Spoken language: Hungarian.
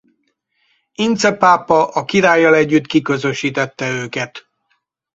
Ince pápa a királlyal együtt kiközösítette őket.